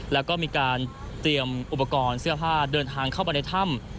แล้วก็มีการเตรียมอุปกรณ์เสื้อผ้าเดินทางเข้าไปในถ้ำ